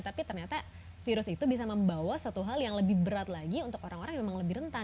tapi ternyata virus itu bisa membawa suatu hal yang lebih berat lagi untuk orang orang yang memang lebih rentan